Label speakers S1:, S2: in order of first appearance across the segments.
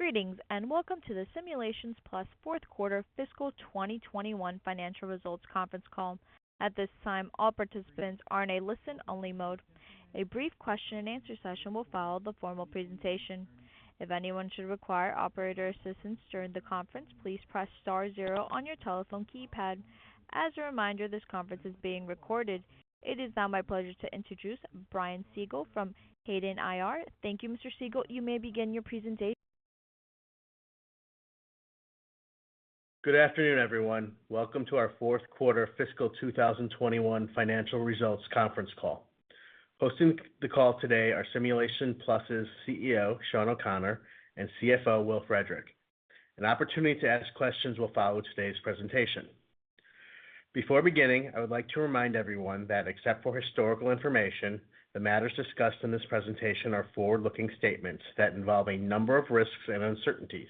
S1: Greetings, and welcome to the Simulations Plus Fourth Quarter Fiscal 2021 financial results conference call. At this time, all participants are in a listen-only mode. A brief question and answer session will follow the formal presentation. If anyone should require operator assistance during the conference, please press star zero on your telephone keypad. As a reminder, this conference is being recorded. It is now my pleasure to introduce Brian Siegel from Hayden IR. Thank you, Mr. Siegel. You may begin your presentation.
S2: Good afternoon, everyone. Welcome to our fourth quarter fiscal 2021 financial results conference call. Hosting the call today are Simulations Plus' CEO, Shawn O'Connor, and CFO, Will Frederick. An opportunity to ask questions will follow today's presentation. Before beginning, I would like to remind everyone that except for historical information, the matters discussed in this presentation are forward-looking statements that involve a number of risks and uncertainties.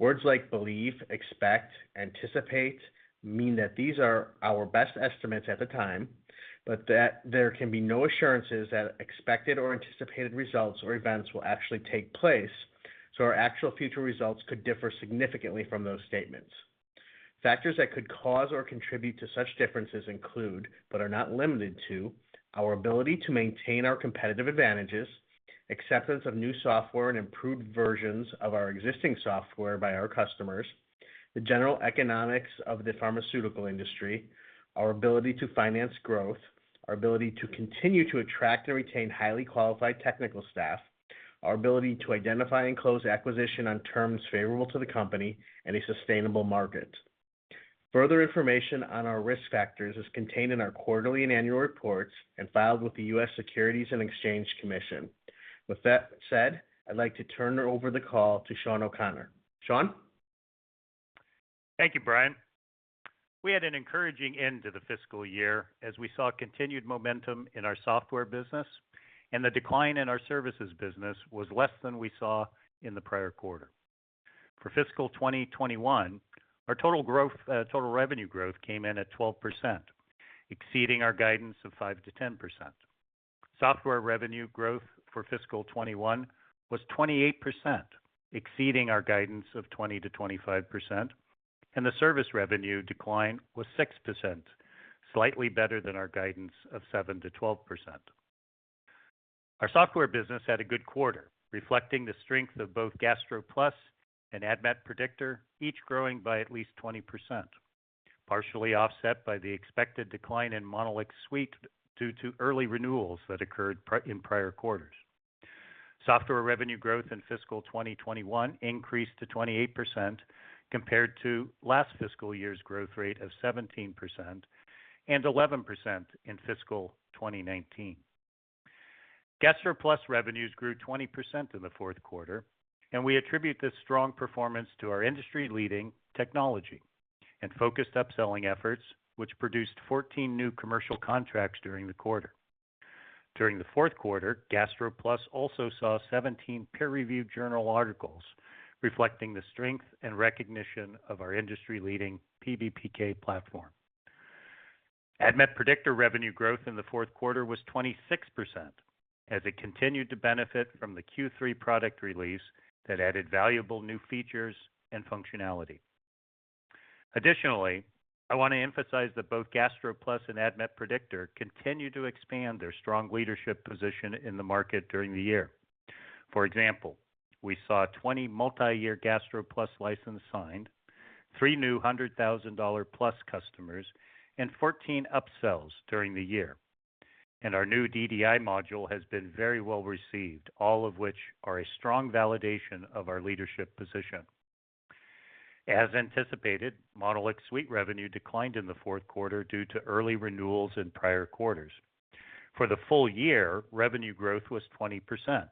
S2: Words like believe, expect, anticipate mean that these are our best estimates at the time, but that there can be no assurances that expected or anticipated results or events will actually take place, our actual future results could differ significantly from those statements. Factors that could cause or contribute to such differences include, but are not limited to, our ability to maintain our competitive advantages, acceptance of new software and improved versions of our existing software by our customers, the general economics of the pharmaceutical industry, our ability to finance growth, our ability to continue to attract and retain highly qualified technical staff, our ability to identify and close acquisition on terms favorable to the company, and a sustainable market. Further information on our risk factors is contained in our quarterly and annual reports, filed with the U.S. Securities and Exchange Commission. With that said, I'd like to turn over the call to Shawn O'Connor. Shawn?
S3: Thank you, Brian. We had an encouraging end to the fiscal year as we saw continued momentum in our software business, and the decline in our services business was less than we saw in the prior quarter. For fiscal 2021, our total revenue growth came in at 12%, exceeding our guidance of 5%-10%. Software revenue growth for fiscal 2021 was 28%, exceeding our guidance of 20%-25%, and the service revenue decline was 6%, slightly better than our guidance of 7%-12%. Our software business had a good quarter, reflecting the strength of both GastroPlus and ADMET Predictor, each growing by at least 20%, partially offset by the expected decline in MonolixSuite due to early renewals that occurred in prior quarters. Software revenue growth in fiscal 2021 increased to 28% compared to last fiscal year's growth rate of 17% and 11% in fiscal 2019. GastroPlus revenues grew 20% in the fourth quarter. We attribute this strong performance to our industry-leading technology and focused upselling efforts, which produced 14 new commercial contracts during the quarter. During the fourth quarter, GastroPlus also saw 17 peer-reviewed journal articles reflecting the strength and recognition of our industry-leading PBPK platform. ADMET Predictor revenue growth in the fourth quarter was 26%, as it continued to benefit from the Q3 product release that added valuable new features and functionality. Additionally, I want to emphasize that both GastroPlus and ADMET Predictor continued to expand their strong leadership position in the market during the year. For example, we saw 20 multiyear GastroPlus licenses signed, 3 new $100,000-plus customers, and 14 upsells during the year. Our new DDI module has been very well received, all of which are a strong validation of our leadership position. As anticipated, MonolixSuite revenue declined in the fourth quarter due to early renewals in prior quarters. For the full year, revenue growth was 20%,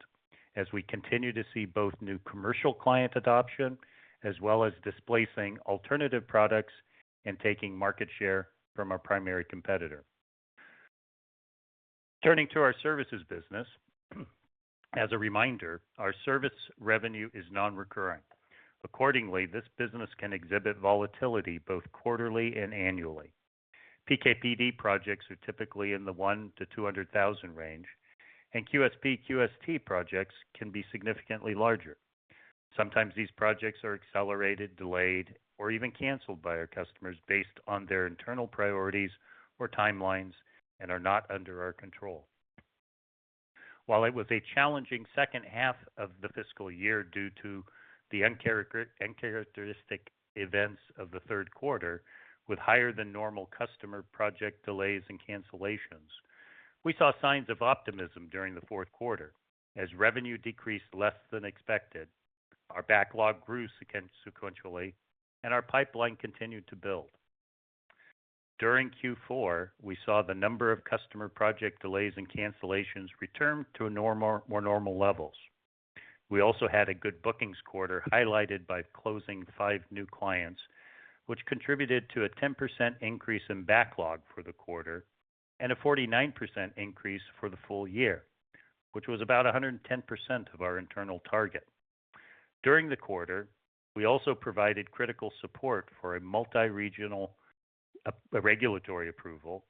S3: as we continue to see both new commercial client adoption as well as displacing alternative products and taking market share from our primary competitor. Turning to our services business, as a reminder, our service revenue is non-recurring. Accordingly, this business can exhibit volatility both quarterly and annually. PK/PD projects are typically in the $1-$200,000 range, and QSP/QST projects can be significantly larger. Sometimes these projects are accelerated, delayed, or even canceled by our customers based on their internal priorities or timelines and are not under our control. While it was a challenging second half of the fiscal year due to the uncharacteristic events of the third quarter with higher than normal customer project delays and cancellations, we saw signs of optimism during the fourth quarter as revenue decreased less than expected, our backlog grew sequentially, and our pipeline continued to build. During Q4, we saw the number of customer project delays and cancellations return to more normal levels. We also had a good bookings quarter highlighted by closing five new clients, which contributed to a 10% increase in backlog for the quarter and a 49% increase for the full year, which was about 110% of our internal target. During the quarter, we also provided critical support for a multi-regional a regulatory approval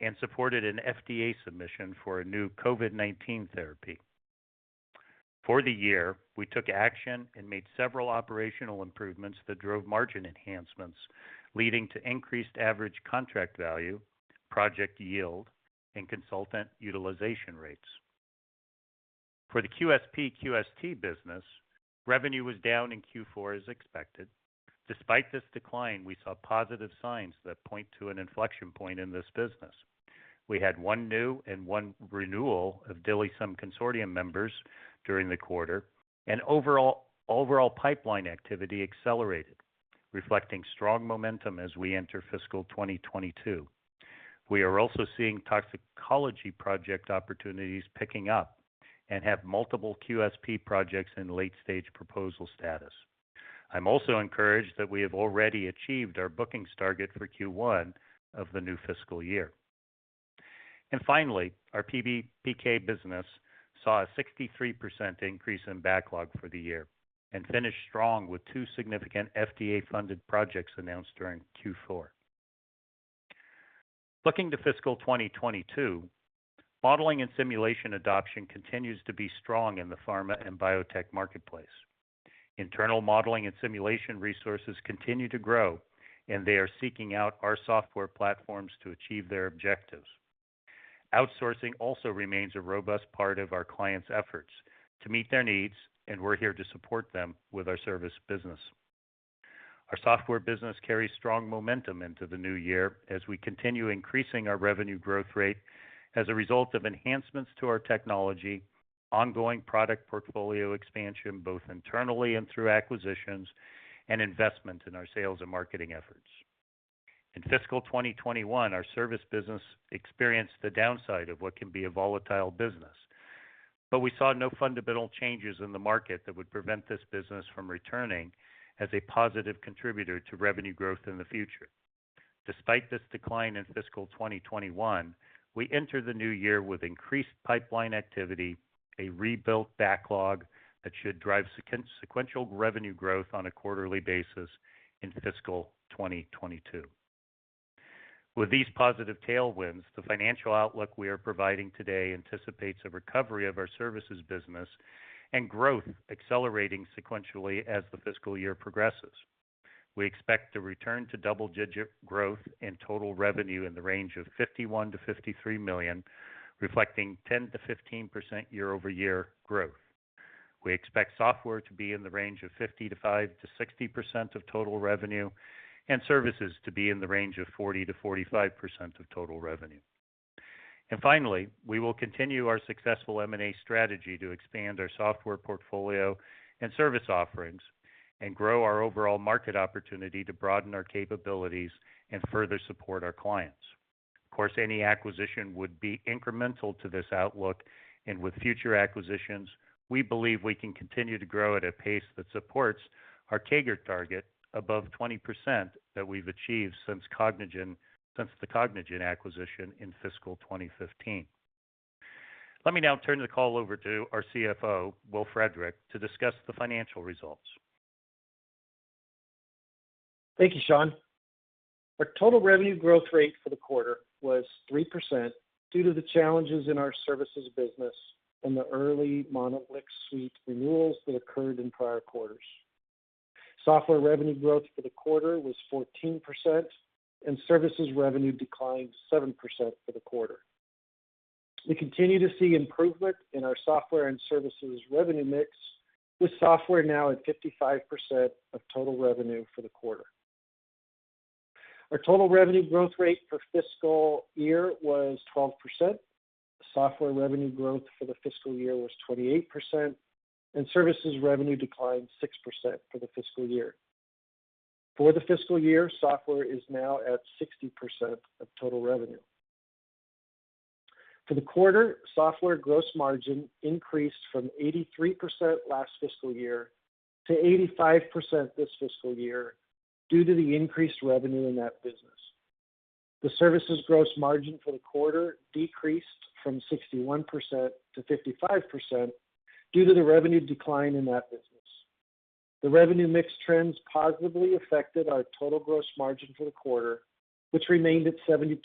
S3: and supported an FDA submission for a new COVID-19 therapy. For the year, we took action and made several operational improvements that drove margin enhancements, leading to increased average contract value, project yield, and consultant utilization rates. For the QSP/QST business, revenue was down in Q4 as expected. Despite this decline, we saw positive signs that point to an inflection point in this business. We had one new and one renewal of DILIsym consortium members during the quarter, and overall pipeline activity accelerated, reflecting strong momentum as we enter fiscal 2022. We are also seeing toxicology project opportunities picking up and have multiple QSP projects in late-stage proposal status. I'm also encouraged that we have already achieved our bookings target for Q1 of the new fiscal year. Finally, our PBPK business saw a 63% increase in backlog for the year and finished strong with two significant FDA-funded projects announced during Q4. Looking to fiscal 2022, modeling and simulation adoption continues to be strong in the pharma and biotech marketplace. Internal modeling and simulation resources continue to grow, and they are seeking out our software platforms to achieve their objectives. Outsourcing also remains a robust part of our clients' efforts to meet their needs, and we're here to support them with our service business. Our software business carries strong momentum into the new year as we continue increasing our revenue growth rate as a result of enhancements to our technology, ongoing product portfolio expansion, both internally and through acquisitions, and investment in our sales and marketing efforts. In fiscal 2021, our service business experienced the downside of what can be a volatile business, but we saw no fundamental changes in the market that would prevent this business from returning as a positive contributor to revenue growth in the future. Despite this decline in fiscal 2021, we enter the new year with increased pipeline activity, a rebuilt backlog that should drive sequential revenue growth on a quarterly basis in fiscal 2022. With these positive tailwinds, the financial outlook we are providing today anticipates a recovery of our services business and growth accelerating sequentially as the fiscal year progresses. We expect to return to double-digit growth in total revenue in the range of $51 million-$53 million, reflecting 10%-15% year-over-year growth. We expect software to be in the range of 55%-60% of total revenue and services to be in the range of 40%-45% of total revenue. Finally, we will continue our successful M&A strategy to expand our software portfolio and service offerings and grow our overall market opportunity to broaden our capabilities and further support our clients. Of course, any acquisition would be incremental to this outlook, and with future acquisitions, we believe we can continue to grow at a pace that supports our CAGR target above 20% that we've achieved since the Cognigen acquisition in fiscal 2015. Let me now turn the call over to our CFO, Will Frederick, to discuss the financial results.
S4: Thank you, Shawn. Our total revenue growth rate for the quarter was 3% due to the challenges in our services business and the early MonolixSuite renewals that occurred in prior quarters. Software revenue growth for the quarter was 14%, and services revenue declined 7% for the quarter. We continue to see improvement in our software and services revenue mix, with software now at 55% of total revenue for the quarter. Our total revenue growth rate for fiscal year was 12%, software revenue growth for the fiscal year was 28%, and services revenue declined 6% for the fiscal year. For the fiscal year, software is now at 60% of total revenue. For the quarter, software gross margin increased from 83% last fiscal year to 85% this fiscal year due to the increased revenue in that business. The services gross margin for the quarter decreased from 61%-55% due to the revenue decline in that business. The revenue mix trends positively affected our total gross margin for the quarter, which remained at 72%,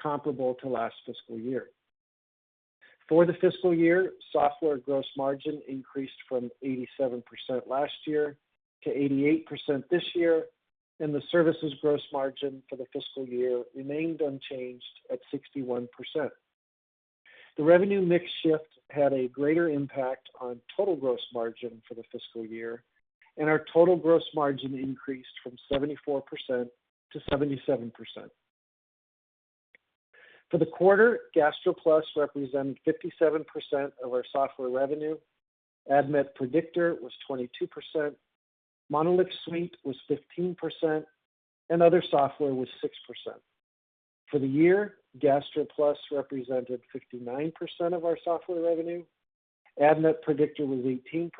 S4: comparable to last fiscal year. For the fiscal year, software gross margin increased from 87% last year to 88% this year. The services gross margin for the fiscal year remained unchanged at 61%. The revenue mix shift had a greater impact on total gross margin for the fiscal year. Our total gross margin increased from 74%-77%. For the quarter, GastroPlus represented 57% of our software revenue, ADMET Predictor was 22%, MonolixSuite was 15%, and other software was 6%. For the year, GastroPlus represented 59% of our software revenue, ADMET Predictor was 18%,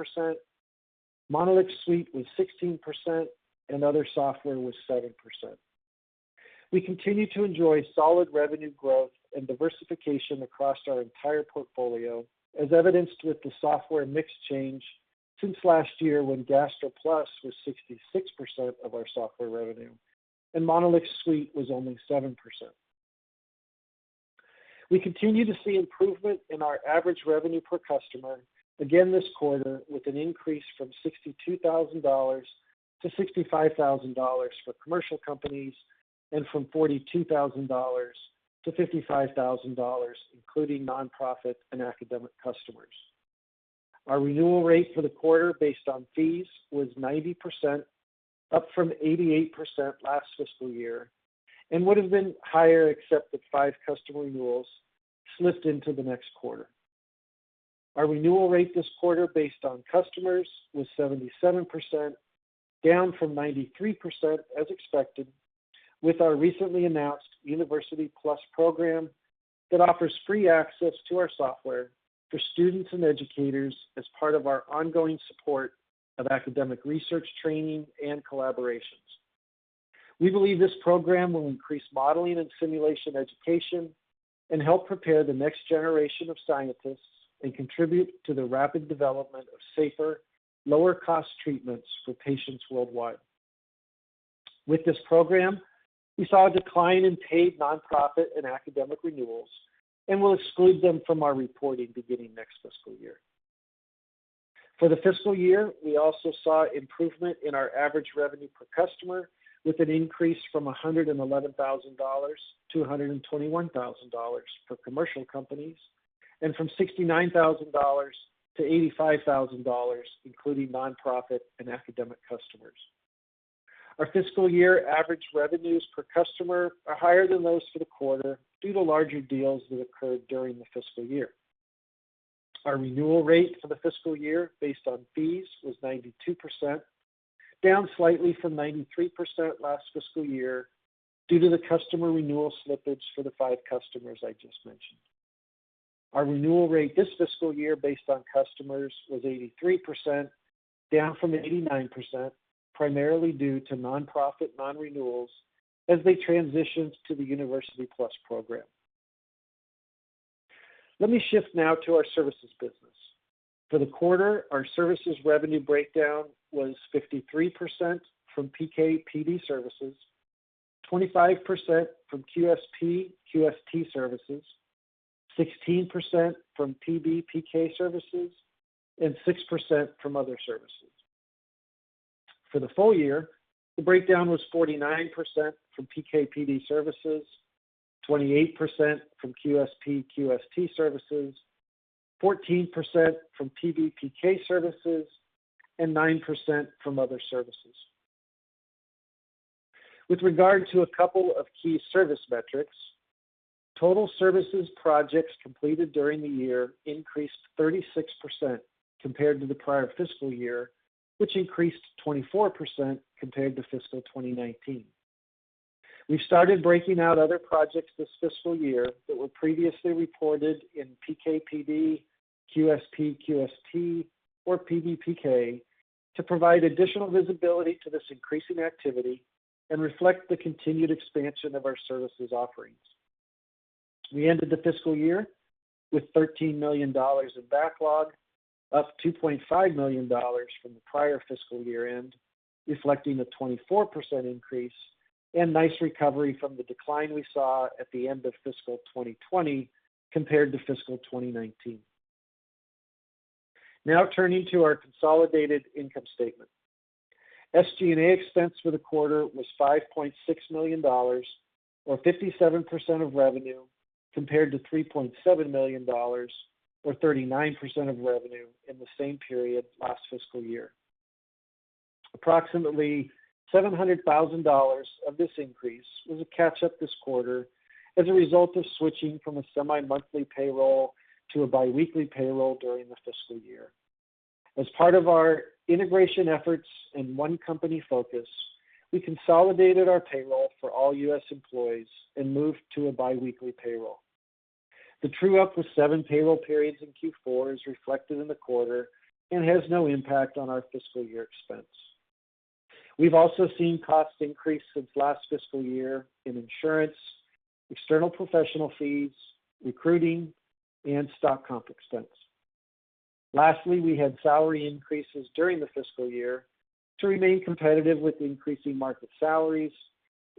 S4: MonolixSuite was 16%, and other software was 7%. We continue to enjoy solid revenue growth and diversification across our entire portfolio, as evidenced with the software mix change since last year, when GastroPlus was 66% of our software revenue and MonolixSuite was only 7%. We continue to see improvement in our average revenue per customer, again this quarter, with an increase from $62,000 to $65,000 for commercial companies and from $42,000 to $55,000 including nonprofit and academic customers. Our renewal rate for the quarter based on fees was 90%, up from 88% last fiscal year and would've been higher except that five customer renewals slipped into the next quarter. Our renewal rate this quarter based on customers was 77%, down from 93%, as expected, with our recently announced University+ program that offers free access to our software for students and educators as part of our ongoing support of academic research training and collaborations. We believe this program will increase modeling and simulation education and help prepare the next generation of scientists and contribute to the rapid development of safer, lower cost treatments for patients worldwide. With this program, we saw a decline in paid nonprofit and academic renewals and will exclude them from our reporting beginning next fiscal year. For the fiscal year, we also saw improvement in our average revenue per customer with an increase from $111,000-$121,000 for commercial companies and from $69,000-$85,000 including nonprofit and academic customers. Our fiscal year average revenues per customer are higher than those for the quarter due to larger deals that occurred during the fiscal year. Our renewal rate for the fiscal year based on fees was 92%, down slightly from 93% last fiscal year due to the customer renewal slippage for the five customers I just mentioned. Our renewal rate this fiscal year based on customers was 83%, down from 89%, primarily due to nonprofit non-renewals as they transitioned to the University+ program. Let me shift now to our services business. For the quarter, our services revenue breakdown was 53% from PK/PD services, 25% from QSP/QST services, 16% from PB/PK services, and 6% from other services. For the full year, the breakdown was 49% from PK/PD services, 28% from QSP/QST services, 14% from PB/PK services, and 9% from other services. With regard to a couple of key service metrics, total services projects completed during the year increased 36% compared to the prior fiscal year, which increased 24% compared to fiscal 2019. We started breaking out other projects this fiscal year that were previously reported in PK/PD, QSP/QST, or PB/PK to provide additional visibility to this increase in activity and reflect the continued expansion of our services offerings. We ended the fiscal year with $13 million in backlog, up $2.5 million from the prior fiscal year-end, reflecting a 24% increase and nice recovery from the decline we saw at the end of fiscal 2020 compared to fiscal 2019. Turning to our consolidated income statement. SG&A expense for the quarter was $5.6 million, or 57% of revenue, compared to $3.7 million, or 39% of revenue in the same period last fiscal year. Approximately $700,000 of this increase was a catch-up this quarter as a result of switching from a semi-monthly payroll to a biweekly payroll during the fiscal year. As part of our integration efforts and one company focus, we consolidated our payroll for all U.S. employees and moved to a biweekly payroll. The true up of seven payroll periods in Q4 is reflected in the quarter and has no impact on our fiscal year expense. We've also seen costs increase since last fiscal year in insurance, external professional fees, recruiting, and stock comp expense. Lastly, we had salary increases during the fiscal year to remain competitive with increasing market salaries,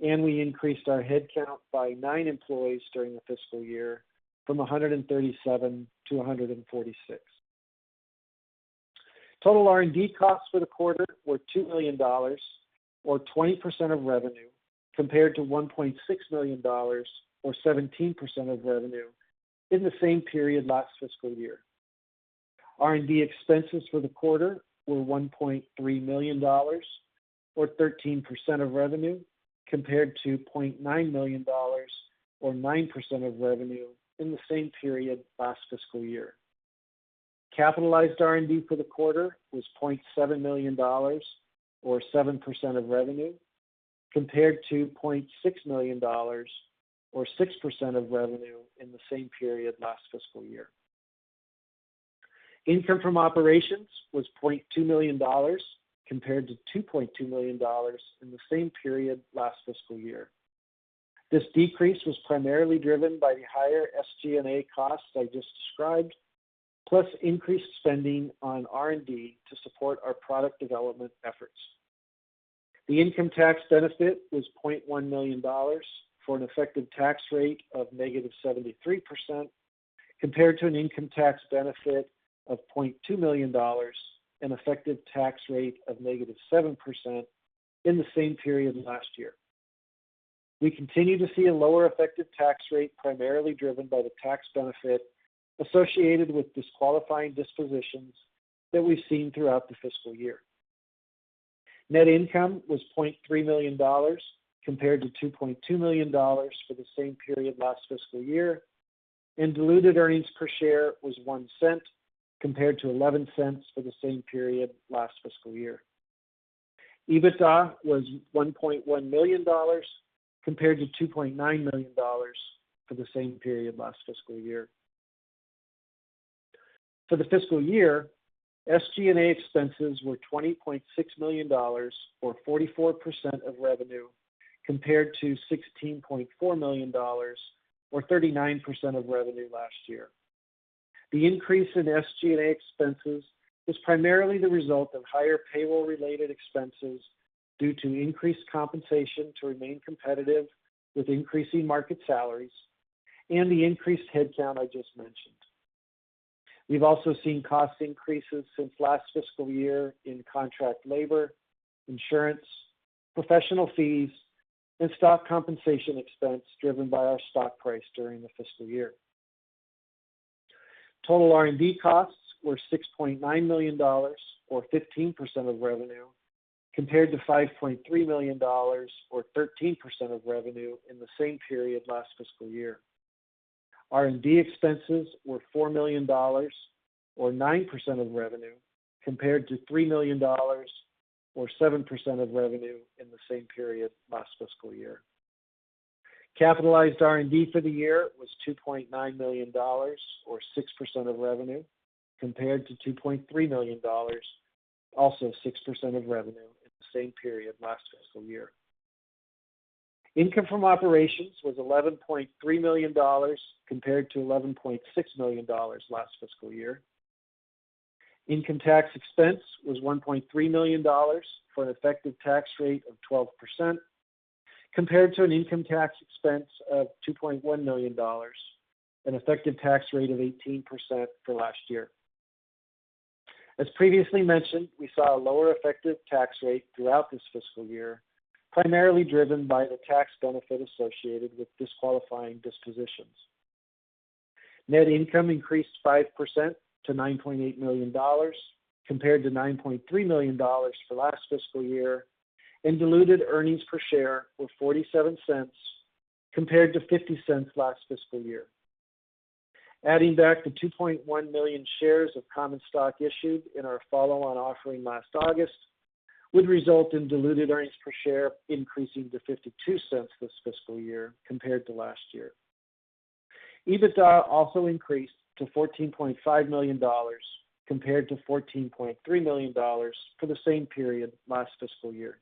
S4: and we increased our headcount by nine employees during the fiscal year from 137 to 146. Total R&D costs for the quarter were $2 million, or 20% of revenue, compared to $1.6 million, or 17% of revenue, in the same period last fiscal year. R&D expenses for the quarter were $1.3 million, or 13% of revenue, compared to $0.9 million, or 9% of revenue in the same period last fiscal year. Capitalized R&D for the quarter was $0.7 million, or 7% of revenue, compared to $0.6 million, or 6% of revenue in the same period last fiscal year. Income from operations was $0.2 million, compared to $2.2 million in the same period last fiscal year. This decrease was primarily driven by the higher SG&A costs I just described, plus increased spending on R&D to support our product development efforts. The income tax benefit was $0.1 million for an effective tax rate of negative 73%, compared to an income tax benefit of $0.2 million, an effective tax rate of negative 7%, in the same period last year. We continue to see a lower effective tax rate, primarily driven by the tax benefit associated with disqualifying dispositions that we've seen throughout the fiscal year. Net income was $0.3 million, compared to $2.2 million for the same period last fiscal year, and diluted earnings per share was $0.01, compared to $0.11 for the same period last fiscal year. EBITDA was $1.1 million, compared to $2.9 million for the same period last fiscal year. For the fiscal year, SG&A expenses were $20.6 million, or 44% of revenue, compared to $16.4 million, or 39% of revenue last year. The increase in SG&A expenses is primarily the result of higher payroll-related expenses due to increased compensation to remain competitive with increasing market salaries and the increased headcount I just mentioned. We've also seen cost increases since last fiscal year in contract labor, insurance, professional fees, and stock compensation expense driven by our stock price during the fiscal year. Total R&D costs were $6.9 million, or 15% of revenue, compared to $5.3 million, or 13% of revenue in the same period last fiscal year. R&D expenses were $4 million, or 9% of revenue, compared to $3 million, or 7% of revenue in the same period last fiscal year. Capitalized R&D for the year was $2.9 million, or 6% of revenue, compared to $2.3 million, also 6% of revenue in the same period last fiscal year. Income from operations was $11.3 million compared to $11.6 million last fiscal year. Income tax expense was $1.3 million for an effective tax rate of 12%, compared to an income tax expense of $2.1 million, an effective tax rate of 18% for last year. As previously mentioned, we saw a lower effective tax rate throughout this fiscal year, primarily driven by the tax benefit associated with disqualifying dispositions. Net income increased 5% to $9.8 million, compared to $9.3 million for last fiscal year, and diluted earnings per share were $0.47 compared to $0.50 last fiscal year. Adding back the 2.1 million shares of common stock issued in our follow-on offering last August, would result in diluted earnings per share increasing to $0.52 this fiscal year compared to last year. EBITDA also increased to $14.5 million compared to $14.3 million for the same period last fiscal year.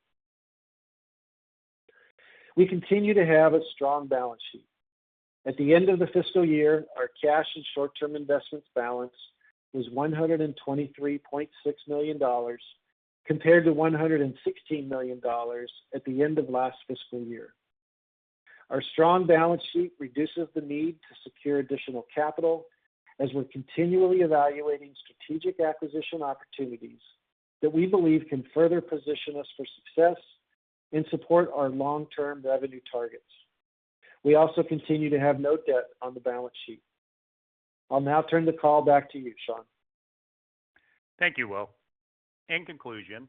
S4: We continue to have a strong balance sheet. At the end of the fiscal year, our cash and short-term investments balance was $123.6 million, compared to $116 million at the end of last fiscal year. Our strong balance sheet reduces the need to secure additional capital as we're continually evaluating strategic acquisition opportunities that we believe can further position us for success and support our long-term revenue targets. We also continue to have no debt on the balance sheet. I'll now turn the call back to you, Shawn.
S3: Thank you, Will. In conclusion,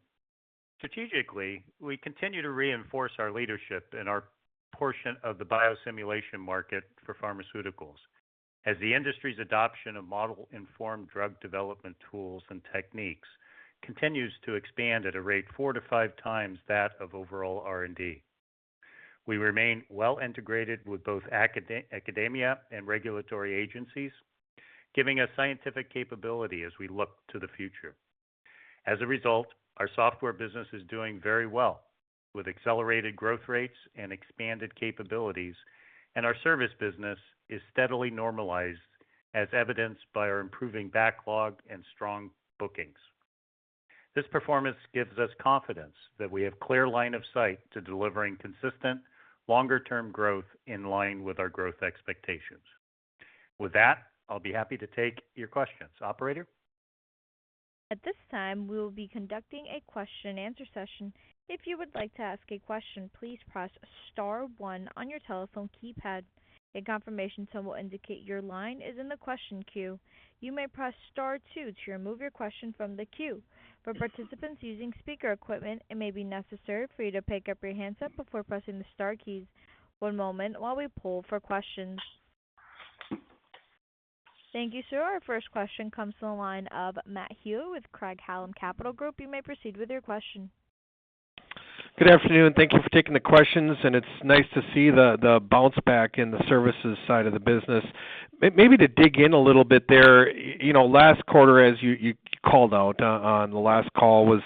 S3: strategically, we continue to reinforce our leadership in our portion of the biosimulation market for pharmaceuticals as the industry's adoption of model-informed drug development tools and techniques continues to expand at a rate 4x-5x that of overall R&D. We remain well-integrated with both academia and regulatory agencies, giving us scientific capability as we look to the future. As a result, our software business is doing very well, with accelerated growth rates and expanded capabilities, and our service business is steadily normalized, as evidenced by our improving backlog and strong bookings. This performance gives us confidence that we have clear line of sight to delivering consistent, longer-term growth in line with our growth expectations. With that, I'll be happy to take your questions. Operator?
S1: Thank you, sir. Our first question comes from the line of Matt Hewitt with Craig-Hallum Capital Group. You may proceed with your question.
S5: Good afternoon. Thank you for taking the questions, and it's nice to see the bounce back in the services side of the business. Maybe to dig in a little bit there, last quarter, as you called out on the last call, was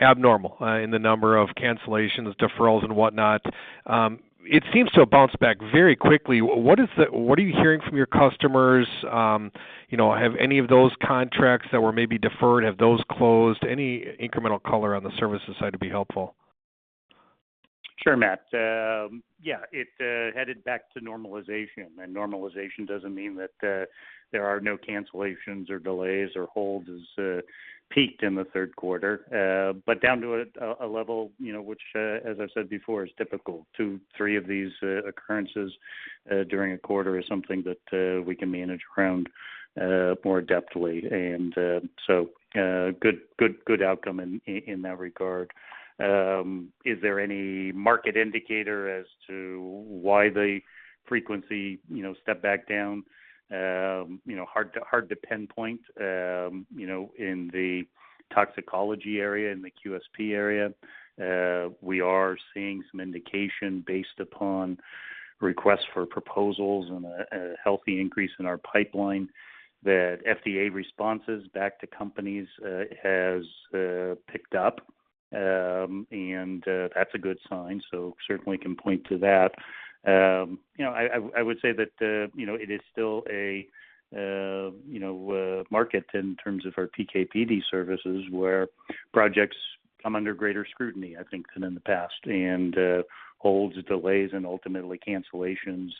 S5: abnormal in the number of cancellations, deferrals, and whatnot. It seems to have bounced back very quickly. What are you hearing from your customers? Have any of those contracts that were maybe deferred, have those closed? Any incremental color on the services side would be helpful.
S3: Sure, Matt. Yeah. It headed back to normalization. Normalization doesn't mean that there are no cancellations or delays or holds has peaked in the third quarter. Down to a level which, as I've said before, is typical. Two, three of these occurrences during a quarter is something that we can manage around more adeptly. Good outcome in that regard. Is there any market indicator as to why the frequency stepped back down? Hard to pinpoint. In the toxicology area, in the QSP area, we are seeing some indication based upon requests for proposals and a healthy increase in our pipeline that FDA responses back to companies has picked up, and that's a good sign, so certainly can point to that. I would say that it is still a market in terms of our PK/PD services, where projects come under greater scrutiny, I think, than in the past. Holds, delays, and ultimately cancellations,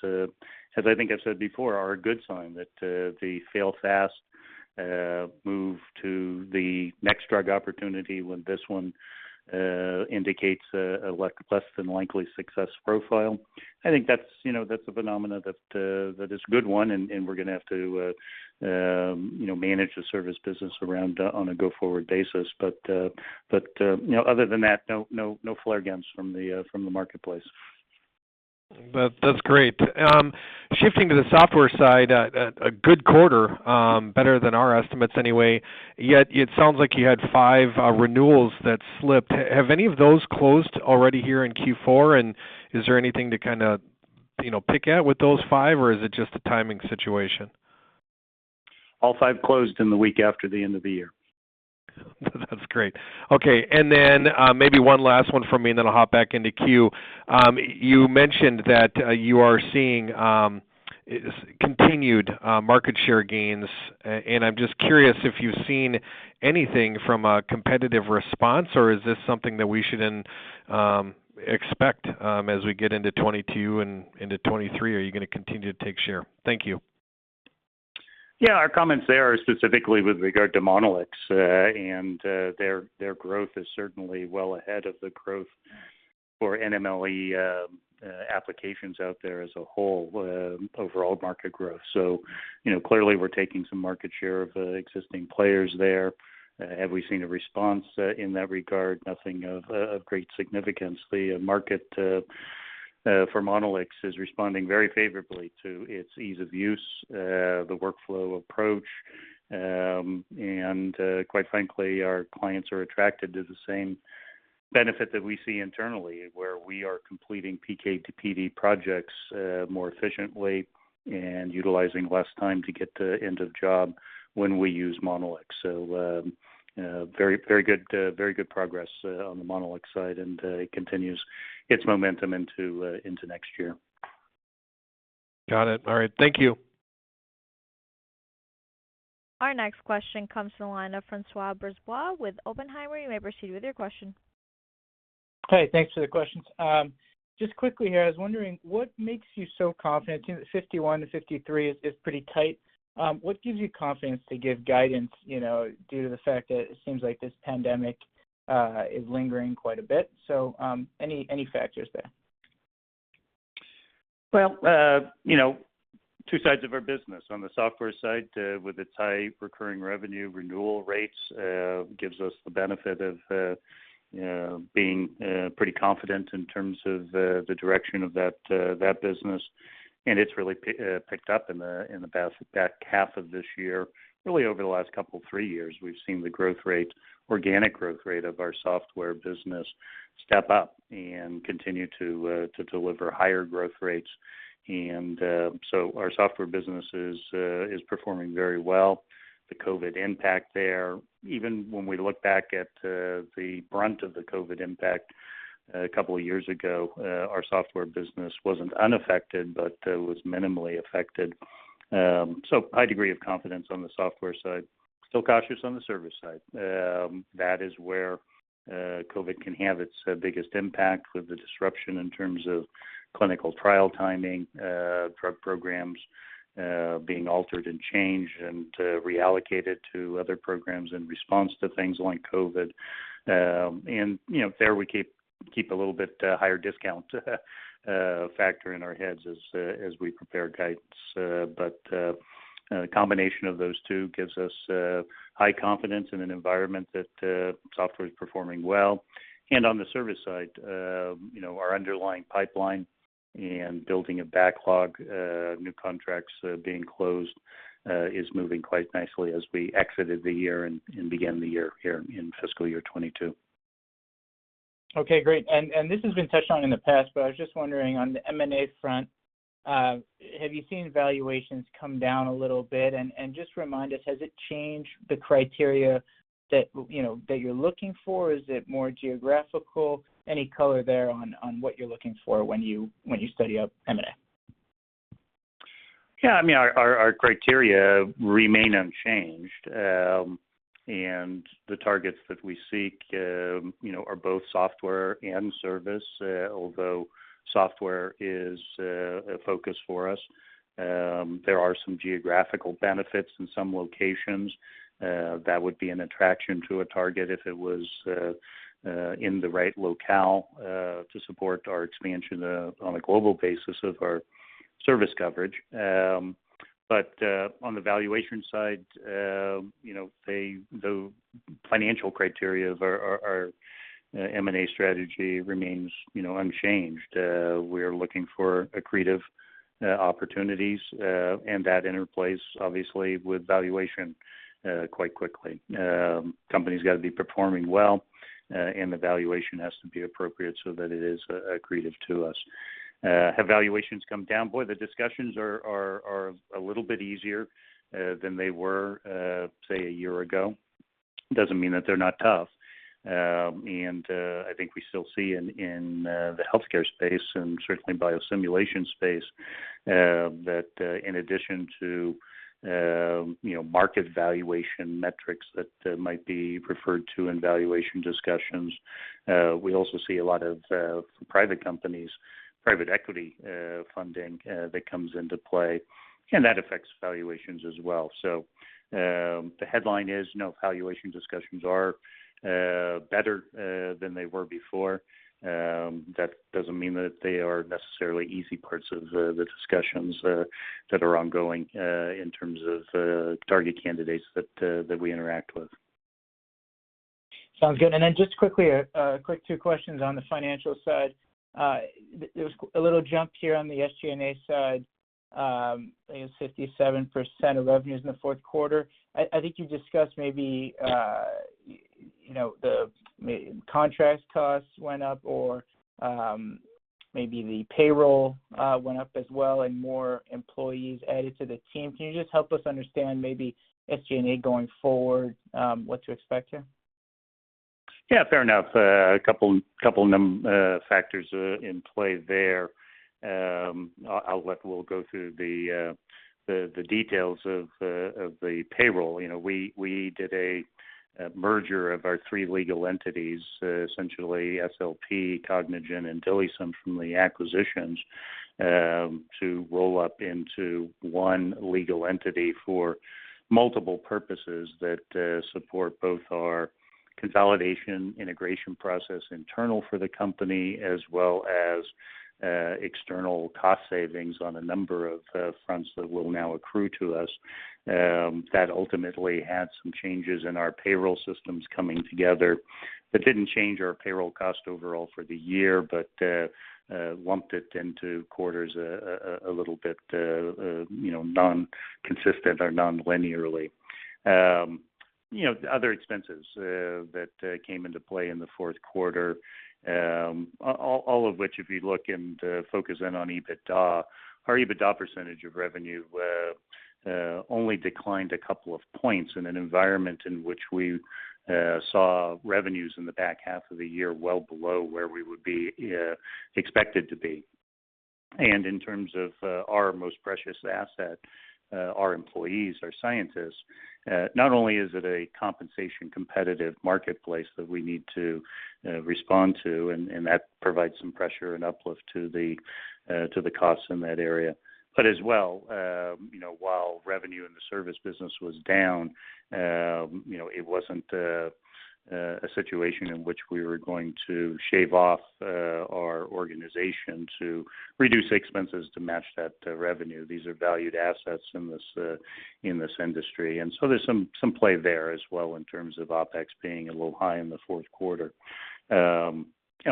S3: as I think I've said before, are a good sign that the fail fast move to the next drug opportunity when this one indicates a less than likely success profile. I think that's a phenomenon that is a good one and we're going to have to manage the service business around on a go-forward basis. Other than that, no flare guns from the marketplace.
S5: That's great. Shifting to the software side, a good quarter, better than our estimates anyway. It sounds like you had five renewals that slipped. Have any of those closed already here in Q4, and is there anything to pick at with those five, or is it just a timing situation?
S3: All five closed in the week after the end of the year.
S5: That's great. Okay, and then maybe one last one from me, and then I'll hop back into queue. You mentioned that you are seeing continued market share gains, and I'm just curious if you've seen anything from a competitive response, or is this something that we should then expect as we get into 2022 and into 2023? Are you going to continue to take share? Thank you.
S3: Yeah, our comments there are specifically with regard to Monolix, and their growth is certainly well ahead of the growth for NONMEM applications out there as a whole, overall market growth. Clearly we're taking some market share of existing players there. Have we seen a response in that regard? Nothing of great significance. The market for Monolix is responding very favorably to its ease of use, the workflow approach. Quite frankly, our clients are attracted to the same benefit that we see internally, where we are completing PK to PD projects more efficiently and utilizing less time to get to end of job when we use Monolix. Very good progress on the Monolix side, and it continues its momentum into next year.
S5: Got it. All right. Thank you.
S1: Our next question comes from the line of François Brisebois with Oppenheimer. You may proceed with your question.
S6: Hi. Thanks for the questions. Just quickly here, I was wondering what makes you so confident? Between the $51-$53 is pretty tight. What gives you confidence to give guidance, due to the fact that it seems like this pandemic is lingering quite a bit. Any factors there?
S3: Well, two sides of our business. On the software side, with its high recurring revenue renewal rates, gives us the benefit of being pretty confident in terms of the direction of that business. It's really picked up in the back half of this year. Really over the last couple three years, we've seen the organic growth rate of our software business step up and continue to deliver higher growth rates. Our software business is performing very well. The COVID impact there, even when we look back at the brunt of the COVID impact a couple of years ago, our software business wasn't unaffected, but was minimally affected. High degree of confidence on the software side. Still cautious on the service side. That is where COVID can have its biggest impact with the disruption in terms of clinical trial timing, drug programs being altered and changed and reallocated to other programs in response to things like COVID. There we keep a little bit higher discount factor in our heads as we prepare guides. A combination of those two gives us high confidence in an environment that software is performing well. On the service side, our underlying pipeline and building a backlog, new contracts being closed, is moving quite nicely as we exited the year and begin the year here in fiscal year 2022.
S6: Okay, great. This has been touched on in the past, but I was just wondering on the M&A front, have you seen valuations come down a little bit? Just remind us, has it changed the criteria that you're looking for? Is it more geographical? Any color there on what you're looking for when you study up M&A?
S3: Yeah, our criteria remain unchanged. The targets that we seek are both software and service, although software is a focus for us. There are some geographical benefits in some locations that would be an attraction to a target if it was in the right locale to support our expansion on a global basis of our service coverage. On the valuation side, the financial criteria of our M&A strategy remains unchanged. We're looking for accretive opportunities, and that interplays, obviously, with valuation quite quickly. Company's got to be performing well, and the valuation has to be appropriate so that it is accretive to us. Have valuations come down? Boy. The discussions are a little bit easier than they were, say, one year ago. Doesn't mean that they're not tough. I think we still see in the healthcare space and certainly biosimulation space, that in addition to market valuation metrics that might be referred to in valuation discussions, we also see a lot of private companies, private equity funding that comes into play, and that affects valuations as well. The headline is valuation discussions are better than they were before. That doesn't mean that they are necessarily easy parts of the discussions that are ongoing in terms of target candidates that we interact with.
S6: Sounds good. Then just quickly, a quick two questions on the financial side. There was a little jump here on the SG&A side, I think it was 57% of revenues in the 4th quarter. I think you discussed maybe the contract costs went up or maybe the payroll went up as well and more employees added to the team. Can you just help us understand maybe SG&A going forward, what to expect here?
S3: Yeah, fair enough. A couple factors in play there. We'll go through the details of the payroll. We did a merger of our three legal entities, essentially SLP, Cognigen, and DILIsym from the acquisitions, to roll up into one legal entity for multiple purposes that support both our consolidation integration process internal for the company, as well as external cost savings on a number of fronts that will now accrue to us. That ultimately had some changes in our payroll systems coming together. That didn't change our payroll cost overall for the year, but lumped it into quarters a little bit non-consistent or non-linearly. Other expenses that came into play in the 4th quarter, all of which, if you look and focus in on EBITDA, our EBITDA percentage of revenue only declined 2 points in an environment in which we saw revenues in the back half of the year, well below where we would be expected to be. In terms of our most precious asset, our employees, our scientists, not only is it a compensation competitive marketplace that we need to respond to, and that provides some pressure and uplift to the costs in that area, but as well while revenue in the service business was down, it wasn't a situation in which we were going to shave off our organization to reduce expenses to match that revenue. These are valued assets in this industry. There's some play there as well in terms of OpEx being a little high in the fourth quarter.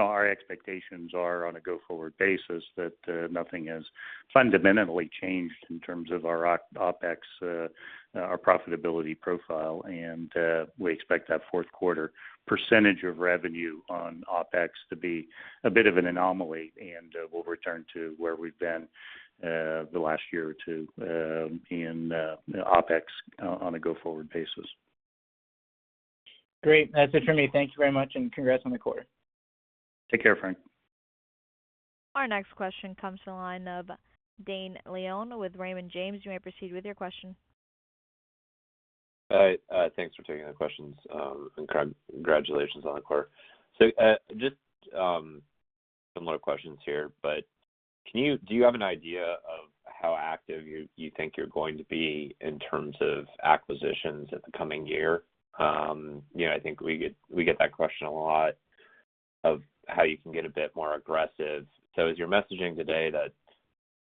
S3: Our expectations are on a go-forward basis that nothing has fundamentally changed in terms of our OpEx, our profitability profile. We expect that fourth quarter percentage of revenue on OpEx to be a bit of an anomaly, and we'll return to where we've been the last year or two in OpEx on a go-forward basis.
S6: Great. That's it for me. Thank you very much, and congrats on the quarter.
S3: Take care, Frank.
S1: Our next question comes from the line of Dane Leone with Raymond James. You may proceed with your question.
S7: Hi. Thanks for taking the questions, and congratulations on the quarter. Just similar questions here, but do you have an idea of how active you think you're going to be in terms of acquisitions in the coming year? I think we get that question a lot of how you can get a bit more aggressive. Is your messaging today that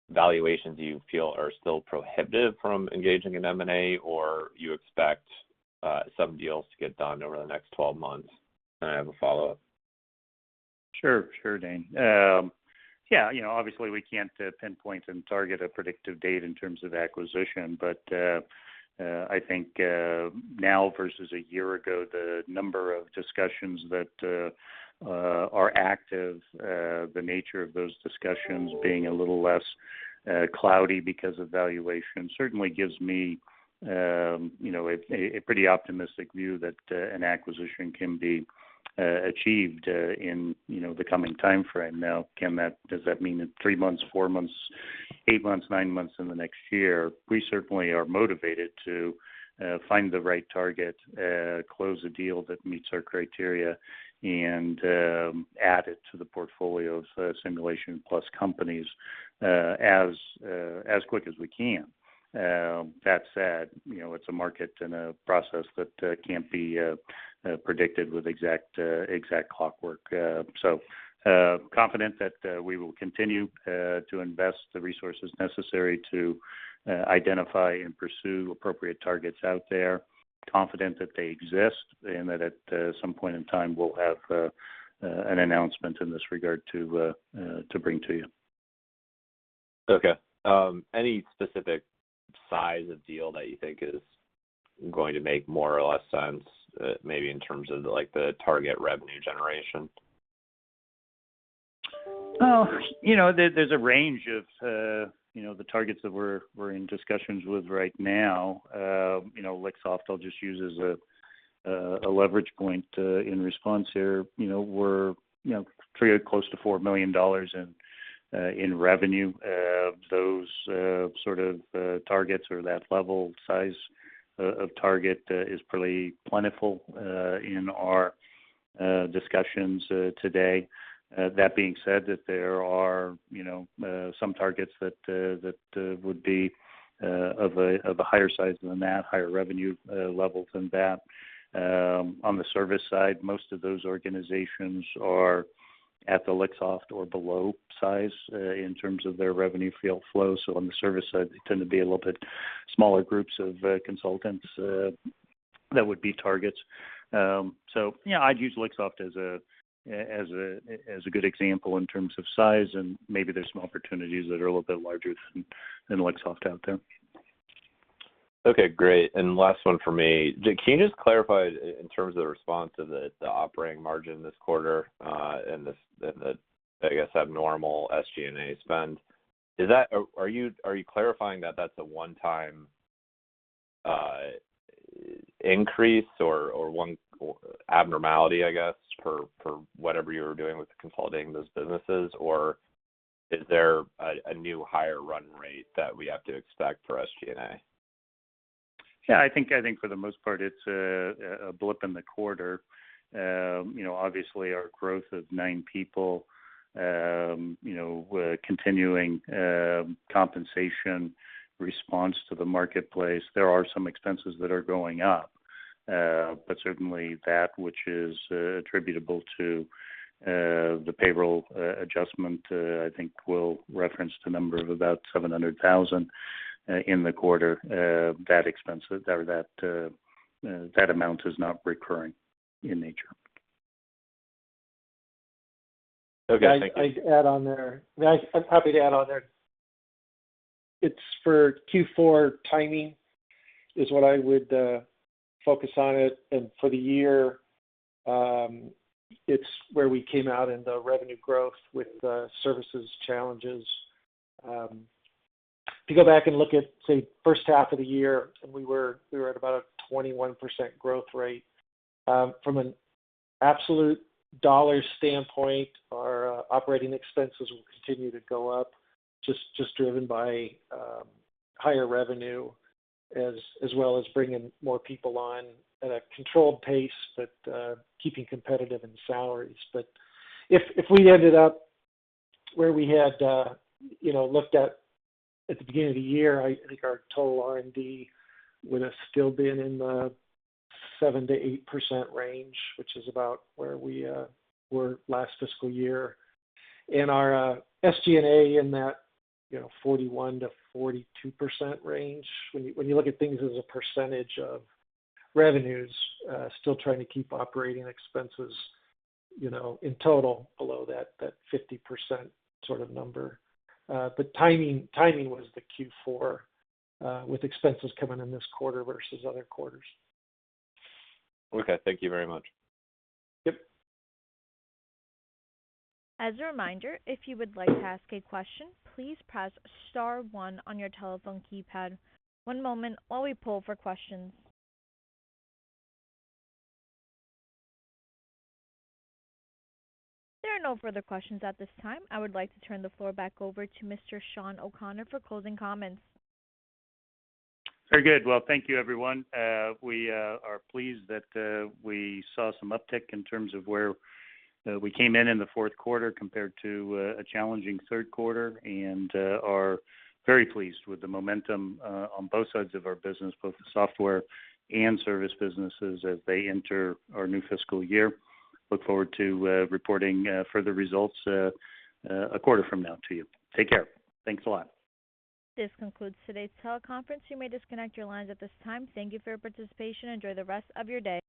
S7: valuations you feel are still prohibitive from engaging in M&A, or you expect some deals to get done over the next 12 months? I have a follow-up.
S3: Sure, Dane. Yeah. Obviously we can't pinpoint and target a predictive date in terms of acquisition. I think now versus a year ago, the number of discussions that are active, the nature of those discussions being a little less cloudy because of valuation certainly gives me a pretty optimistic view that an acquisition can be achieved in the coming timeframe. Now, does that mean in three months, four months, eight months, nine months, in the next year? We certainly are motivated to find the right target, close a deal that meets our criteria, and add it to the portfolio of Simulations Plus companies as quick as we can. That said, it's a market and a process that can't be predicted with exact clockwork. Confident that we will continue to invest the resources necessary to identify and pursue appropriate targets out there, confident that they exist, and that at some point in time, we'll have an announcement in this regard to bring to you.
S7: Any specific size of deal that you think is going to make more or less sense, maybe in terms of the target revenue generation?
S3: There's a range of the targets that we're in discussions with right now. Lixoft I'll just use as a leverage point in response here. We're close to $4 million in revenue. Those sort of targets or that level size of target is probably plentiful in our discussions today. That being said, that there are some targets that would be of a higher size than that, higher revenue level than that. On the service side, most of those organizations are at the Lixoft or below size in terms of their revenue flow. On the service side, they tend to be a little bit smaller groups of consultants that would be targets. Yeah, I'd use Lixoft as a good example in terms of size, and maybe there's some opportunities that are a little bit larger than Lixoft out there.
S7: Okay, great. Last one from me. Can you just clarify in terms of the response of the operating margin this quarter, and the, I guess, abnormal SG&A spend? Are you clarifying that that's a one-time increase or one abnormality, I guess, for whatever you were doing with consolidating those businesses? Or is there a new higher run rate that we have to expect for SG&A?
S3: Yeah, I think for the most part, it's a blip in the quarter. Obviously, our growth of nine people, continuing compensation response to the marketplace, there are some expenses that are going up. Certainly that which is attributable to the payroll adjustment, I think, we'll reference the number of about $700,000 in the quarter. That amount is not recurring in nature.
S7: Okay. Thank you.
S4: I'd add on there. I'm happy to add on there. It's for Q4 timing is what I would focus on, and for the year, it's where we came out in the revenue growth with the services challenges. If you go back and look at, say, first half of the year, and we were at about a 21% growth rate. From an absolute dollar standpoint, our operating expenses will continue to go up just driven by higher revenue, as well as bringing more people on at a controlled pace, but keeping competitive in salaries. If we ended up where we had looked at the beginning of the year, I think our total R&D would have still been in the 7%-8% range, which is about where we were last fiscal year. Our SG&A in that 41%-42% range. When you look at things as a percentage of revenues, still trying to keep operating expenses, in total below that 50% sort of number. Timing was the Q4, with expenses coming in this quarter versus other quarters.
S7: Okay. Thank you very much.
S4: Yep.
S1: As a reminder, if you would like to ask a question, please press star one on your telephone keypad. One moment while we poll for questions. There are no further questions at this time. I would like to turn the floor back over to Mr. Shawn O'Connor for closing comments.
S3: Very good. Well, thank you everyone. We are pleased that we saw some uptick in terms of where we came in in the fourth quarter compared to a challenging third quarter, and are very pleased with the momentum on both sides of our business, both the software and service businesses, as they enter our new fiscal year. Look forward to reporting further results a quarter from now to you. Take care. Thanks a lot.
S1: This concludes today's teleconference. You may disconnect your lines at this time. Thank you for your participation. Enjoy the rest of your day.